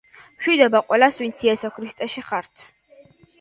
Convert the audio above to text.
მშვიდობა ყველას, ვინც იესო ქრისტეში ხართ.